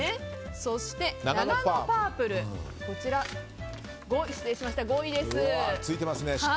そして、ナガノパープルこちらは５位です。